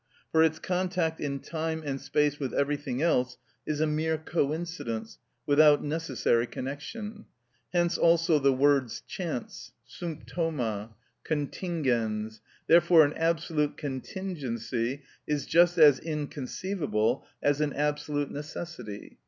For its contact in time and space with everything else is a mere coincidence without necessary connection: hence also the words chance, συμπτωμα, contingens. Therefore an absolute contingency is just as inconceivable as an absolute necessity.